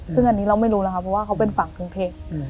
ซึ่งอันนี้เราไม่รู้แล้วครับเพราะว่าเขาเป็นฝั่งกรุงเทพ